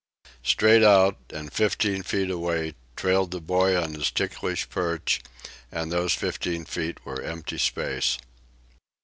Straight out, and fifteen feet away, trailed the boy on his ticklish perch, and those fifteen feet were empty space.